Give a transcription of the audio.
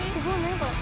これ。